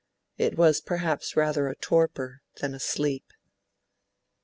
It was perhaps rather a torpor than a sleep.